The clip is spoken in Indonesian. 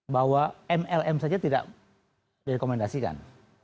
bahwa mlm saja tidak direkomendasikan